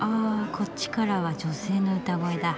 こっちからは女性の歌声だ。